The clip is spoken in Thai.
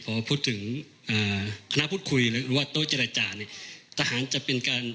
พอพูดถึงคณะพูดคุยหรือว่าโต๊ะเจรจาเนี่ย